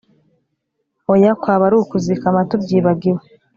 oya, kwaba ari ukuzikama tubyibagiwe!